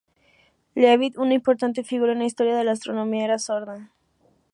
Leavitt, una importante figura en la historia de la astronomía, era sorda.